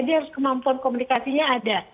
dia harus kemampuan komunikasinya ada